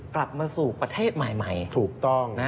กลับมาสู่ประเทศใหม่ถูกต้อง